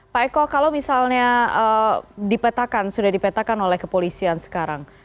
pak eko kalau misalnya dipetakan sudah dipetakan oleh kepolisian sekarang